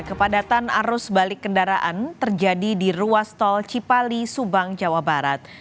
kepadatan arus balik kendaraan terjadi di ruas tol cipali subang jawa barat